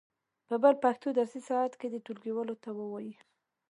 په بل پښتو درسي ساعت کې دې ټولګیوالو ته و وایي.